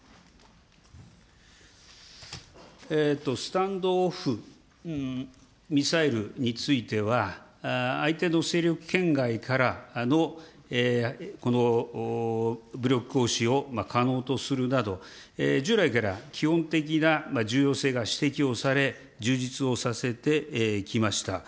スタンド・オフ・ミサイルについては、相手の勢力圏外からの武力行使を可能とするなど、従来から基本的な重要性が指摘をされ、充実をさせてきました。